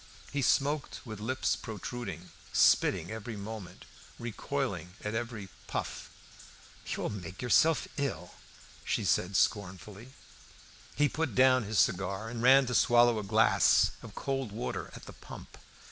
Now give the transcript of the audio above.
He smoked with lips protruding, spitting every moment, recoiling at every puff. "You'll make yourself ill," she said scornfully. He put down his cigar and ran to swallow a glass of cold water at the pump.